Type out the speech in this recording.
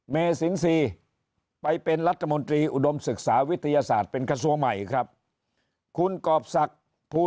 บีมีเป็นลัตตูหมดริอุดมศึกษาวิทยาศาสตร์เป็นกระทรวงใหม่ครับคุณกอบศักดิ์ผู้